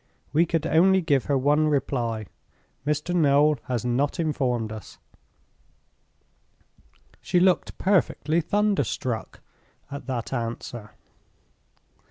We could only give her one reply—Mr. Noel had not informed us. She looked perfectly thunderstruck at that answer.